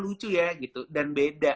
lucu ya gitu dan beda